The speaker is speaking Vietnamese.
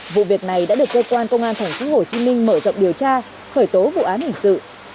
vụ việc này đã được cơ quan công an thành phố hồ chí minh mở rộng điều tra khởi tố vụ án hình sự